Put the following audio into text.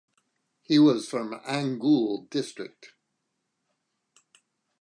He was from Angul district.